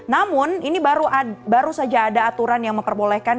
namun ini baru saja ada aturan yang memperbolehkan